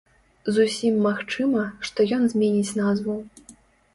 Зусім магчыма, што ён зменіць назву.